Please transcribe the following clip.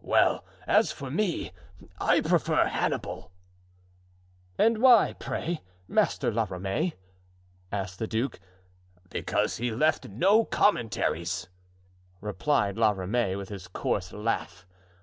"Well, as for me, I prefer Hannibal." "And why, pray, Master La Ramee?" asked the duke. "Because he left no Commentaries," replied La Ramee, with his coarse laugh.